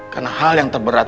karena hal yang terberat